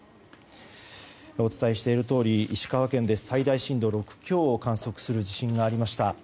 お伝えしているとおり石川県で最大震度６強を観測する地震がありました。